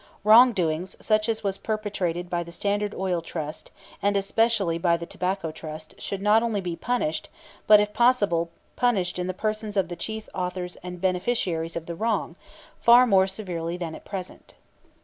Wrongdoing such as was perpetrated by the Standard Oil Trust, and especially by the Tobacco Trust, should not only be punished, but if possible punished in the persons of the chief authors and beneficiaries of the wrong, far more severely than at present.